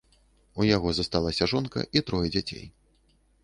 У яго засталіся жонка і трое дзяцей.